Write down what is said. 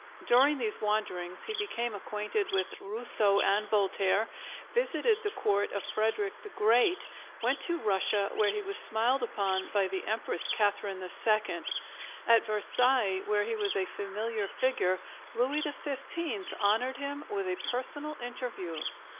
During these wanderings he became acquainted with Rousseau and Voltaire; visited the court of Frederick the Great; went to Russia, where he was smiled upon by the Empress Catharine II. At Versailles, where he was a familiar figure, Louis XV. honored him with a personal interview.